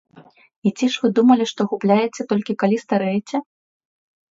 І ці ж вы думалі, што губляеце толькі, калі старэеце?